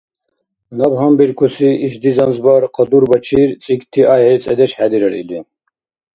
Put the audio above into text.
Наб гьанбиркусири ишди занзбар кьадубачир цӀикӀти ахӀи цӀедеш хӀедирар или.